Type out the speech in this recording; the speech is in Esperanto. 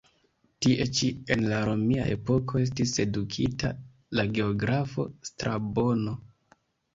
Tie ĉi en la romia epoko estis edukita la geografo Strabono.